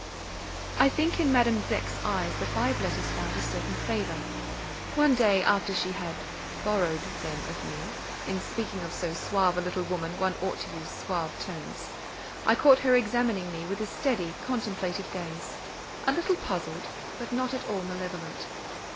I think in Madame Beck's eyes the five letters found a certain favour. One day after she had borrowed them of me (in speaking of so suave a little woman, one ought to use suave terms), I caught her examining me with a steady contemplative gaze, a little puzzled, but not at all malevolent.